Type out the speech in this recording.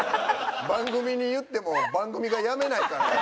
番組に言っても番組がやめないから！